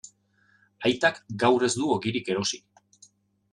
Aitak gaur ez du ogirik erosi.